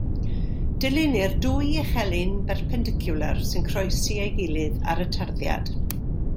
Dylunnir dwy echelin berpendicwlar sy'n croesi ei gilydd ar y tarddiad.